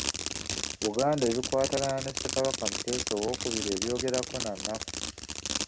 Buganda ebikwatagana ne Ssekabaka Muteesa owookubiri ebyogerako na nnaku.